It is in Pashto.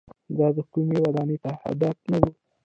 دا د کومۍ ودانۍ تهداب نه و.